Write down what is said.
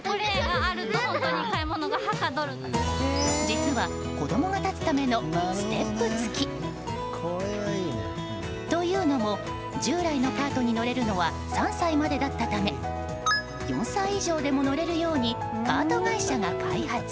実は、子供が立つためのステップ付き。というのも従来のカートに乗れるのは３歳までだったため４歳以上でも乗れるようにカート会社が開発。